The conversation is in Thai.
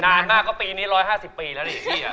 นานมากคือปีนี้๑๕๐ปีแล้วสิดิ